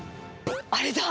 あれだ！